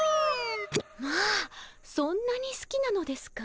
まあそんなにすきなのですか。